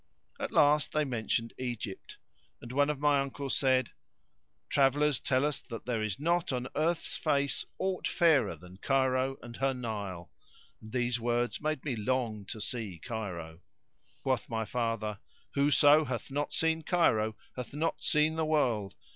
At last they mentioned Egypt, and one of my uncles said, "Travellers tell us that there is not on earth's face aught fairer than Cairo and her Nile;" and these words made me long to see Cairo. Quoth my father, "Whoso hath not seen Cairo hath not seen the world.